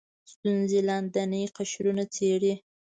ستونزې لاندیني قشرونه څېړي